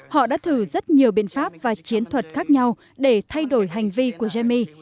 họ đã thử rất nhiều biện pháp và chiến thuật khác nhau để thay đổi hành vi của jemi